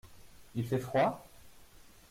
Il fait froid ?